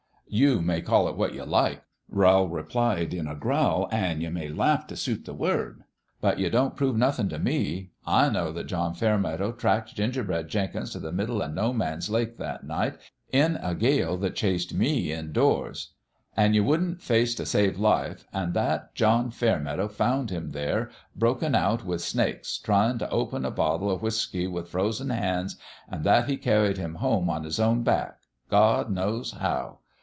" You may call it what you like," Rowl replied, in a growl, " an' you may laugh to suit the word ; but you don't prove nothin' t' me. I know that John Fairmeadow tracked Ginger bread Jenkins t' the middle o' No Man's Lake, that night, in a gale that chased me indoors, an' you wouldn't face t' save life, an' that John Fair meadow found him there, broken out with the snakes, tryin' t' open a bottle o' whiskey with frozen hands, an' that he carried him home on his own back, God knows how!